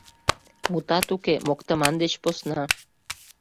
Мутат уке, моктыман деч посна.